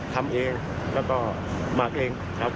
ทำเองแต่งหมักเอง